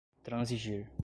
transigir